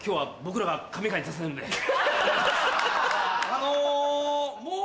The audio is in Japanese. あのもう。